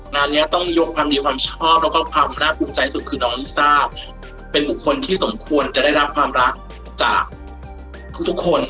งานนี้ต้องยกความดีความชอบแล้วก็ความน่าภูมิใจสุดคือน้องลิซ่าเป็นบุคคลที่สมควรจะได้รับความรักจากทุกคน